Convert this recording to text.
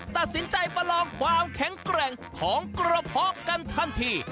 ตัดสินใจประลองความแข็งแกร่งของกระเพาะกันทันที